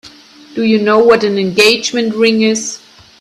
Do you know what an engagement ring is?